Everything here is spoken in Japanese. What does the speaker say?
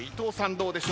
どうでしょうか。